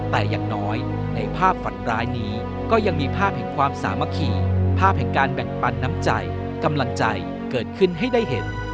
แต่อย่างน้อยในภาพฝันร้ายนี้ก็ยังมีภาพแห่งความสามัคคีภาพแห่งการแบ่งปันน้ำใจกำลังใจเกิดขึ้นให้ได้เห็น